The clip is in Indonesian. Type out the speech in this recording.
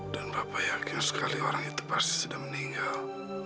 dan papa yakin sekali orang itu pasti sudah meninggal